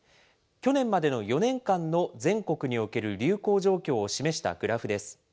去年までの４年間の全国における流行状況を示したグラフです。